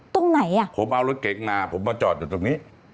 ตรงไหนอ่ะผมเอารถเก๋งมาผมมาจอดอยู่ตรงนี้